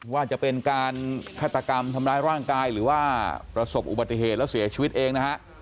ว่าจะเป็นการฆาตกรรมทำร้ายร่างกายหรือว่าประสบอุบัติเหตุแล้วเสียชีวิตเองนะฮะ